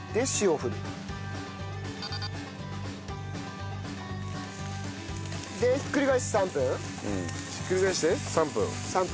ひっくり返して３分。